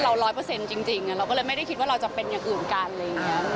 ร้อยเปอร์เซ็นต์จริงเราก็เลยไม่ได้คิดว่าเราจะเป็นอย่างอื่นกันอะไรอย่างนี้